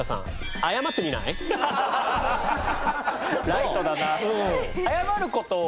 ライトだな。